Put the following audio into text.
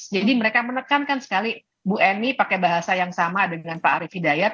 mereka menekankan sekali bu eni pakai bahasa yang sama dengan pak arief hidayat